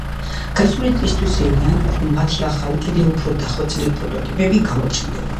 გასული წლისთვის ელიან, რომ მათი ახალი, კიდევ უფრო დახვეწილი პროტოტიპები გამოჩნდება.